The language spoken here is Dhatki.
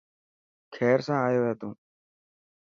کير سان آيو هي تون.